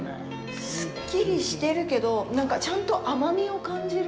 すっきりするけど、なんか、ちゃんと甘みを感じる。